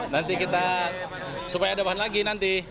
nanti kita supaya ada bahan lagi nanti